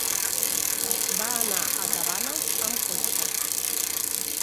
Va anar a Cabanes amb cotxe.